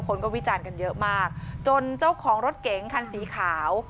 คนก็วิจารณ์กันเยอะมากจนเจ้าของรถเก๋งคันสีขาว